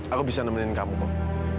aku bisa nemenin kamu kok